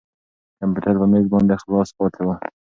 کمپیوټر په مېز باندې خلاص پاتې و.